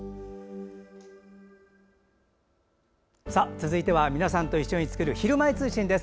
続いては皆さんと一緒に作る「ひるまえ通信」です。